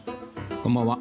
こんばんは。